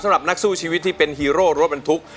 สำหรับนักสู้ชีวิตที่เป็นฮีโร่รถบรรทุก